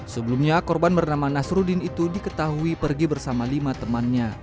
sebelumnya korban bernama nasruddin itu diketahui pergi bersama lima temannya